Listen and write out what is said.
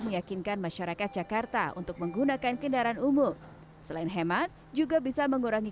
meyakinkan masyarakat jakarta untuk menggunakan kendaraan umum selain hemat juga bisa mengurangi